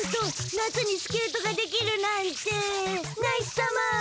夏にスケートができるなんて！ナイスサマー！